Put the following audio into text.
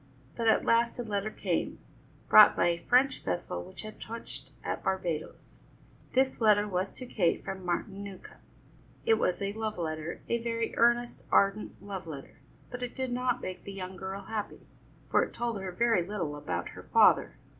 But at last a letter came, brought by a French vessel which had touched at Barbadoes. This letter was to Kate from Martin Newcombe. It was a love letter, a very earnest, ardent love letter, but it did not make the young girl happy, for it told her very little about her father.